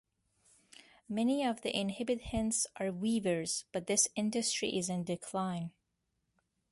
Many of the inhabitants are weavers but this industry is in decline.